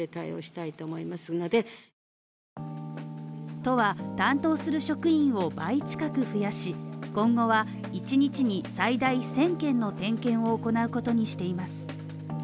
都は担当する職員を倍近く増やし、今後は１日に最大１０００件の点検を行うことにしています。